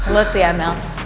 lo tuh ya mel